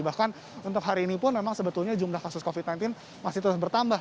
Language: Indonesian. bahkan untuk hari ini pun memang sebetulnya jumlah kasus covid sembilan belas masih terus bertambah